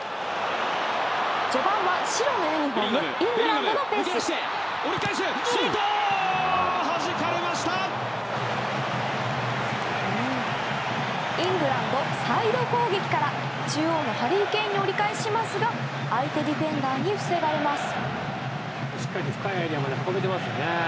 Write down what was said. イングランドサイド攻撃から中央のハリー・ケインに折り返しますが相手ディフェンダーに防がれます。